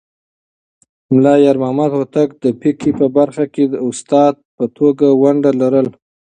ملا يارمحمد هوتک د فقهه په برخه کې د استاد په توګه ونډه لرله.